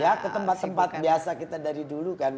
ya ke tempat tempat biasa kita dari dulu kan